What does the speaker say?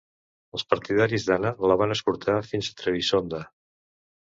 Els partidaris d'Anna la van escortar fins a Trebisonda.